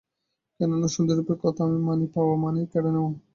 কেননা, সন্দীপবাবুর কথা আমি মানি, পাওয়া মানেই কেড়ে নেওয়া।